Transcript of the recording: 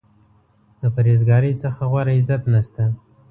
د پرهیز ګارۍ څخه غوره عزت نشته.